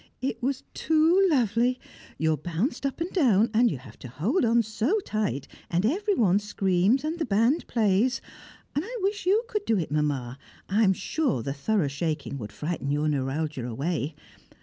It was too lovely; you are bounced up and down, and you have to hold on so tight, and every one screams, and the band plays; and I wish you could do it, Mamma. I am sure the thorough shaking would frighten your neuralgia away.